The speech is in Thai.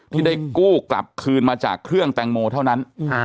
ที่ได้กู้กลับคืนมาจากเครื่องแตงโมเท่านั้น